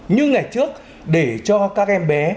như ngày trước để cho các em bé